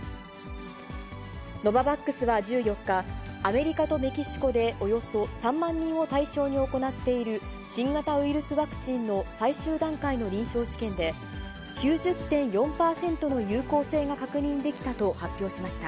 ノババックスは１４日、アメリカとメキシコでおよそ３万人を対象に行っている、新型ウイルスワクチンの最終段階の臨床試験で、９０．４％の有効性が確認できたと発表しました。